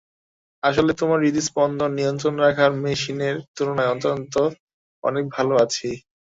আসলে, তোমার হৃদস্পন্দন নিয়ন্ত্রণ রাখার মেশিনের তুলনায় অন্তত অনেক ভালো আছি।